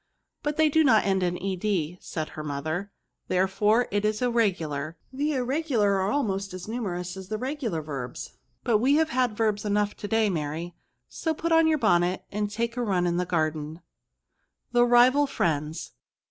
" But they do not end in ed" said her mother, therefore it is irregular. The irregular are almost as numerous as the regular verbs ; but we have had verbs enough to day, Mary, so put on your bonnet and take a run in the garden/' THE RIVAL FRIENDS.